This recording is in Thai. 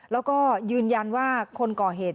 แล้วก็ยืนยันว่าคนก่อเหตุ